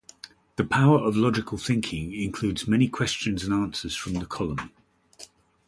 "The Power of Logical Thinking" includes many questions and answers from the column.